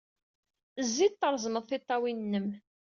Zzi-d, treẓmed tiṭṭawin-nnem.